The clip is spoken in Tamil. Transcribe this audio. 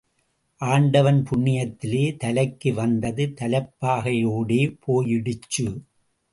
ஆண்டவன் புண்ணியத்திலே தலைக்கு வந்தது தலைப்பாகையோடே போயிடுச்சு.